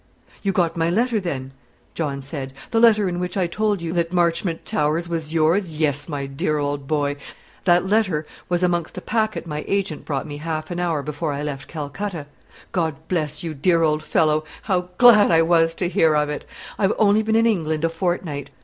"You got my letter, then?" John said; "the letter in which I told you " "That Marchmont Towers was yours. Yes, my dear old boy. That letter was amongst a packet my agent brought me half an hour before I left Calcutta. God bless you, dear old fellow; how glad I was to hear of it! I've only been in England a fortnight.